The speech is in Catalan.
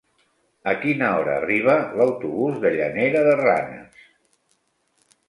A quina hora arriba l'autobús de Llanera de Ranes?